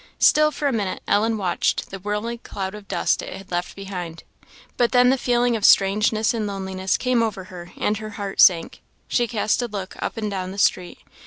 Still for a minute Ellen watched the whirling cloud of dust it had left behind; but then the feeling of strangeness and loneliness came over her, and her heart sank. She cast a look up and down the street.